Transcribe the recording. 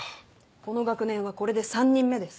この学年はこれで３人目です。